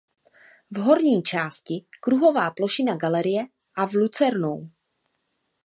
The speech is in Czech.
V horní části kruhová plošina galerie a v lucernou.